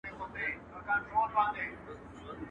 چي خوارانو روژې و نيولې، ورځي هم اوږدې سوې.